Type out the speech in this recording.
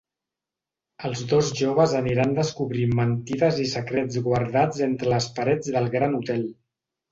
Els dos joves aniran descobrint mentides i secrets guardats entre les parets del Gran Hotel.